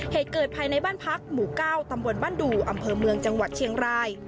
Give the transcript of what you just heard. เหตุเกิดภายในบ้านพักหมู่๙ตำบลบ้านดูอำเภอเมืองจังหวัดเชียงราย